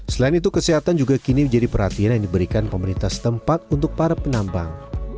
selain itu kesehatan juga kini menjadi perhatian yang diberikan pemerintah setempat untuk para penambang